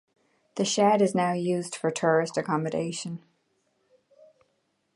The shed is now used for tourist accommodation.